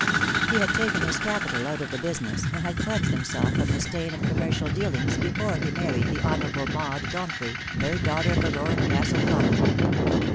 He had taken his capital out of the business, and had cleansed himself from the stain of commercial dealings before he married the Honourable Maud Donfrey, third daughter of Lord Castle Connell.